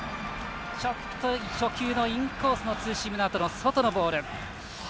ちょっと初球のインコースのツーシームのあとの外のボール。